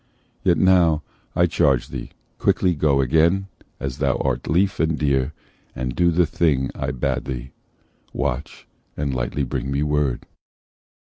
Yet now, I charge thee, quickly go again, As thou art lief and dear, and do the thing I bade thee, watch, and lightly bring me word."